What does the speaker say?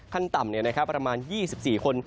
ขั้นต่ำเนี่ยนะครับประมาณ๒๔คน